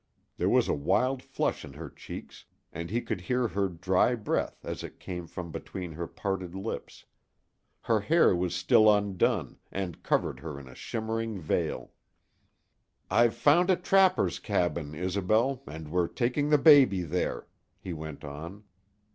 There was a wild flush in her cheeks, and he could hear her dry breath as it came from between her parted lips. Her hair was still undone and covered her in a shimmering veil. "I've found a trapper's cabin, Isobel, and we're taking the baby there," he went on.